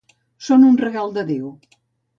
Són un regal de Déu.